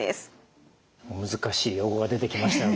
難しい用語が出てきました。